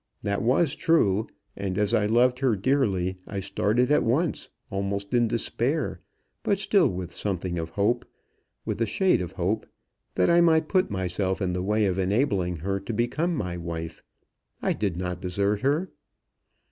That was true, and as I loved her dearly, I started at once, almost in despair, but still with something of hope, with a shade of hope, that I might put myself in the way of enabling her to become my wife. I did not desert her."